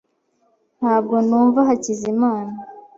Ntabwo numva Hakizimana .